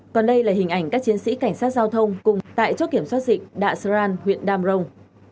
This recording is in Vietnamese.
còn đây là hình ảnh các chiến sĩ cảnh sát giao thông cùng tại chốt kiểm soát dịch đạ san huyện đam rồng